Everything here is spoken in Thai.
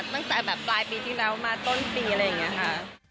ตั้งแต่แบบปลายปีที่แล้วมาต้นปีอะไรอย่างนี้ค่ะ